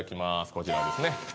こちらですね